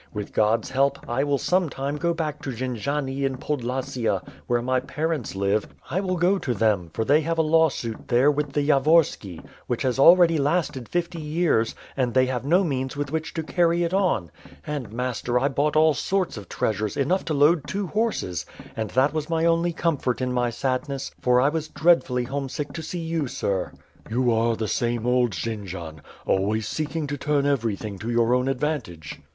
With God's help, I will some time go back to Jendziani in Podlasia, where my parents live, I will go to them; for they have a lawsuit, there, with the Yavorski, which has already lasted fifty years, and they have no means with which to carry it on. And, master, I bought all sorts of treasures, enough to load two horses; and that was my only comfort in my sadness, for I was dreadfully homesick to see you, sir." "You are the same old Jendzian, always seeking to turn everything to your own advantage."